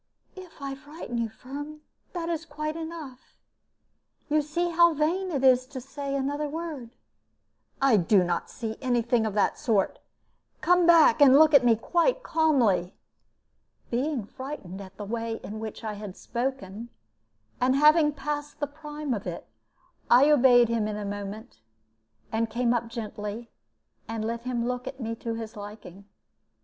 "If I frighten you, Firm, that is quite enough. You see now how vain it is to say another word." "I do not see any thing of the sort. Come back, and look at me quite calmly." Being frightened at the way in which I had spoken, and having passed the prime of it, I obeyed him in a moment, and came up gently and let him look at me to his liking.